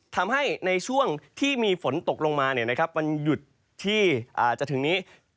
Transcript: ทำให้ในช่วงที่มีฝนตกลงมาเนี่ยนะครับมันหยุดที่อาจจะถึงนี้